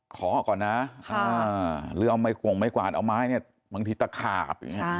ขอก่อนนะหรือเอาไม้กว่านเอาไม้บางทีจะขาด